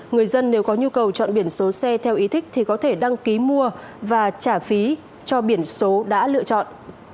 người dân nếu có nhu cầu chọn biển số xe theo ý thích thì có thể đăng ký mua và trả phí cho biển số đã lựa chọn